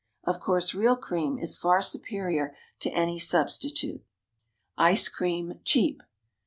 Of course, real cream is far superior to any substitute. ICE CREAM, CHEAP.